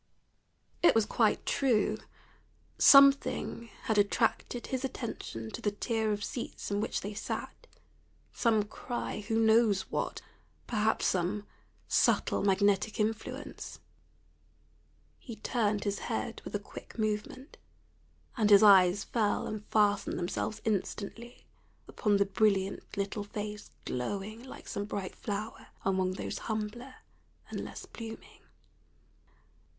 It was quite true. Something had attracted his attention to the tier of seats in which they sat, some cry who knows what? perhaps some subtle magnetic influence. He turned his head with a quick movement, and his eyes fell and fastened themselves instantly upon the brilliant little face glowing like some bright flower among those humbler and less blooming.